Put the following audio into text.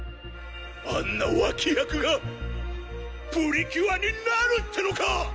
あんな脇役がプリキュアになるってのか